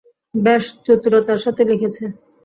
বেশ চতুরতার সাথে লিখেছে।